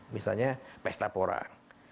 misalnya pesta porang